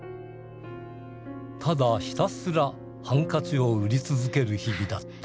ただひたすらハンカチを売り続ける日々だった。